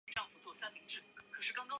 该产物可由水和乙腈重结晶。